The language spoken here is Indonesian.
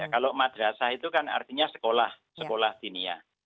kalau madrasah itu kan artinya sekolah sekolah dinia